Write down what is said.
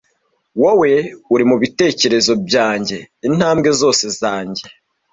Wowe uri mubitekerezo byanjye intambwe zose zanjye.